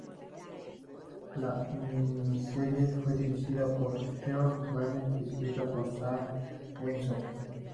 La miniserie fue dirigida por Geoff Bennett y escrita por Sam Winston.